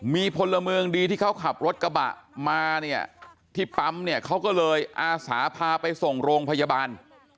มีพลเมืองดีที่เขาขับรถกระบะมาเนี่ยที่ปั๊มเนี่ยเขาก็เลยอาสาพาไปส่งโรงพยาบาล